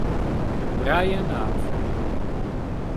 Ryan Humphrey